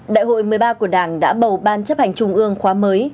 đại hội một mươi ba của đảng đã bầu ban chấp hành trung ương khóa mới